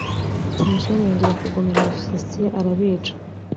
samusoni yongera kugomera abafilisitiya arabica